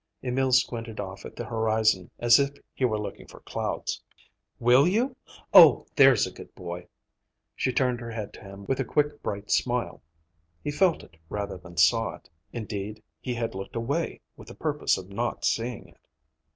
Emil squinted off at the horizon as if he were looking for clouds. "Will you? Oh, there's a good boy!" She turned her head to him with a quick, bright smile. He felt it rather than saw it. Indeed, he had looked away with the purpose of not seeing it.